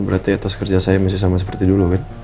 berarti atas kerja saya masih sama seperti dulu